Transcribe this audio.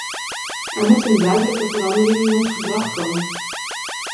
Er moet een duidelijke verandering in ons gedrag komen.